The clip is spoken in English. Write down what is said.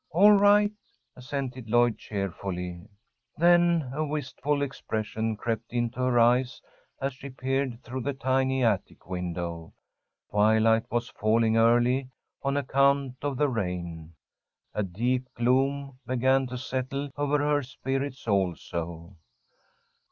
"All right," assented Lloyd, cheerfully. Then a wistful expression crept into her eyes as she peered through the tiny attic window. Twilight was falling early on account of the rain. A deep gloom began to settle over her spirits also.